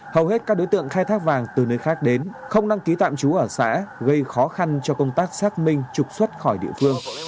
hầu hết các đối tượng khai thác vàng từ nơi khác đến không đăng ký tạm trú ở xã gây khó khăn cho công tác xác minh trục xuất khỏi địa phương